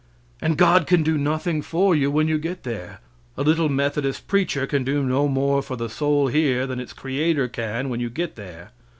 And God can do nothing for you when you get there. A little Methodist preacher can do no more for the soul here than its creator can when you get there.